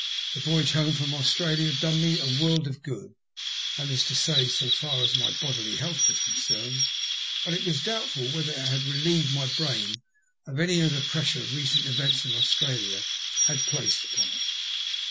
The voyage home from Australia had done me a world of good — that is to say as far as my bodily health was concerned — but it was doubtful whether it had relieved my brain of any of the pressure recent events in Australia had placed upon i 84 THE LUST OF HATE. it.